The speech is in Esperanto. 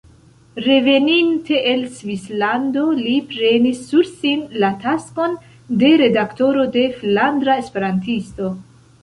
Reveninte el Svislando li prenis sur sin la taskon de redaktoro de "Flandra Esperantisto".